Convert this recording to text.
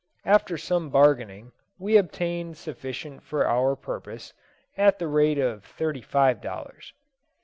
After some bargaining, we obtained sufficient for our purpose, at the rate of thirty five dollars.